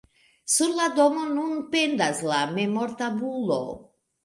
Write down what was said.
Sur la domo nun pendas la memortabulo.